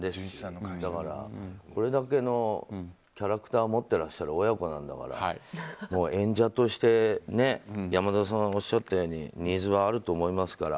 これだけのキャラクターを持っていらっしゃる親子なんだから、演者として山田さんがおっしゃったようにニーズはあると思いますから。